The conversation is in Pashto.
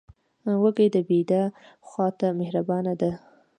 وزې د بیدیا خوا ته مهربانه ده